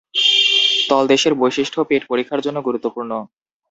তলদেশের বৈশিষ্ট্য পেট পরীক্ষার জন্য গুরুত্বপূর্ণ।